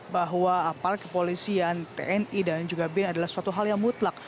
bahwa aparat kepolisian tni dan juga bin adalah suatu hal yang mutlak